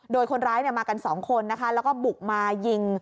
โดยคนร้ายมากันสองคนนะคะแล้วก็บุกมายิง